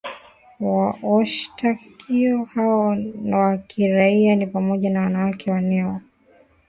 Washtakiwa hao wa kiraia ni pamoja na wanawake wanewa